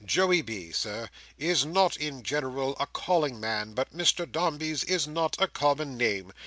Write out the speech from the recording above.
"Joey B., Sir, is not in general a calling man, but Mr Dombey's is not a common name.